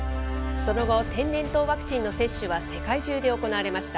その後、天然痘ワクチンの接種は世界中で行われました。